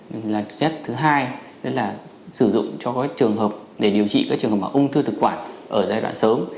nhưng là chất thứ hai đó là sử dụng cho các trường hợp để điều trị các trường hợp ung thư thực quản ở giai đoạn sớm